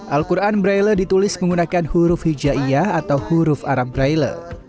al quran braille ditulis menggunakan huruf hijaiyah atau huruf arab braille